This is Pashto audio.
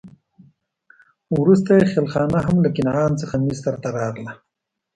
وروسته یې خېلخانه هم له کنعان څخه مصر ته راغله.